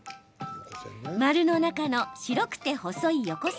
丸の中の白くて細い横線